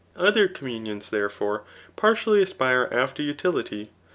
Other communions, therefore, partially aspire after utility.